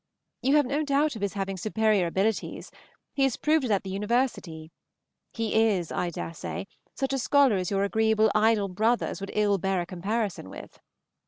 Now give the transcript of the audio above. You have no doubt of his having superior abilities, he has proved it at the University; he is, I dare say, such a scholar as your agreeable, idle brothers would ill bear a comparison with.